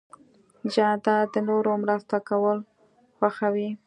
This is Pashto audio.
جانداد د نورو مرسته کول خوښوي.